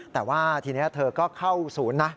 แต่ว่าทีนี้เธอก็เข้าศูนย์นะ